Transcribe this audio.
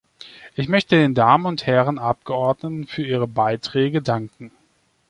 Ich möchte den Damen und Herren Abgeordneten für ihre Beiträge danken.